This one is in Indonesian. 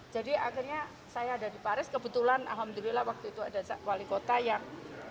jadi akhirnya saya ada di paris kebetulan alhamdulillah waktu itu ada wali kota yang